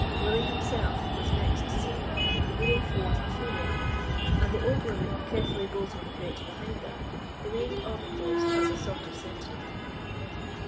Willie himself was next seen, leading forth a female, and the old woman, carefully bolting the grate behind them, remained on the post as a sort of sentinel.